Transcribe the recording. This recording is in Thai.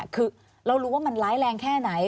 คือเรารู้ว่ามันร้ายแรงแค่ไหน